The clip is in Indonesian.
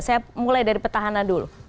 saya mulai dari petahana dulu